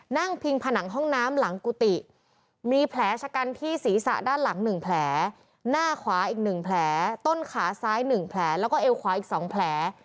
พิงผนังห้องน้ำหลังกุฏิมีแผลชะกันที่ศีรษะด้านหลัง๑แผลหน้าขวาอีก๑แผลต้นขาซ้าย๑แผลแล้วก็เอวขวาอีก๒แผล